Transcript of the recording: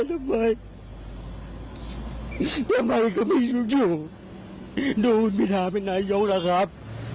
ทำไมก็ไม่ยุ่งดูวิทยาลัยเป็นนายโยคล่ะครับ